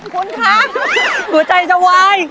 คุณค่ะขอบใจจนวาย